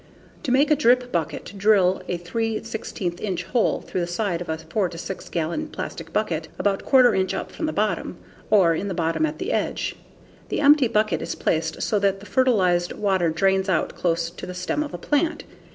To make a drip bucket, drill a 3/16 inch hole through the side of a 4 to 6 gallon plastic bucket about 1/4 inch up from the bottom, or in the bottom at the edge. The empty bucket is placed so that the fertilized water drains out close to the stem of a plant.